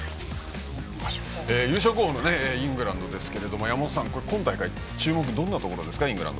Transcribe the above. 優勝候補のイングランドは山本さん、今大会の注目はどんなところですか？